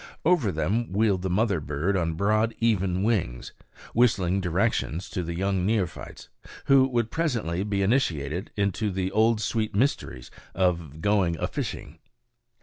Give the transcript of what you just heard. Over them wheeled the mother bird on broad, even wings, whistling directions to the young neophytes, who would presently be initiated into the old sweet mysteries of going a fishing.